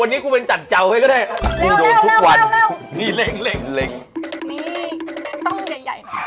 นี่ต้องใหญ่หน่อย